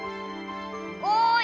おい！